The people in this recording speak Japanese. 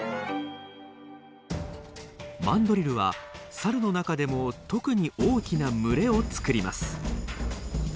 マンドリルはサルの中でも特に大きな群れを作ります。